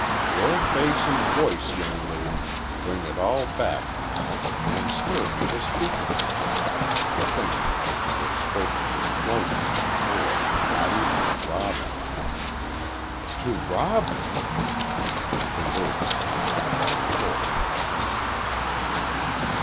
"Your face and voice, young lady, bring it all back now, and stir me to speak of it again the things of which I have spoken to no one before not even to Robin." "To Robin!" The words came involuntarily from Constance.